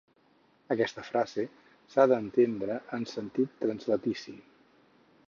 Aquesta frase s'ha d'entendre en sentit translatici.